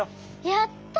やった！